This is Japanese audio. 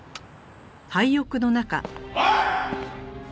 おい！